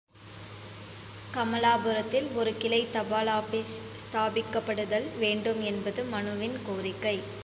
கமலாபுரத்தில் ஒரு கிளை தபாலாபீஸ் ஸ்தாபிக்கப்படுதல் வேண்டும் என்பது மனுவின் கோரிக்கை.